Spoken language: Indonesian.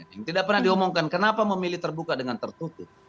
yang tidak pernah diomongkan kenapa memilih terbuka dengan tertutup